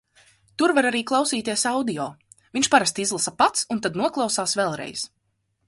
Tur var arī klausīties audio. Viņš parasti izlasa pats un tad noklausās vēlreiz.